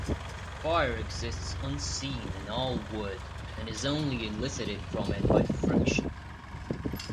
Fire exists unseen in all wood, and is only elicited from it by friction.